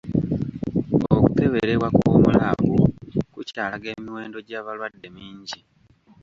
Okukeberebwa kw'omu laabu kukyalaga emiwendo gy'abalwadde mingi.